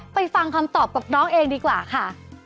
ฟังคำตอบกับน้องเองดีกว่าค่ะ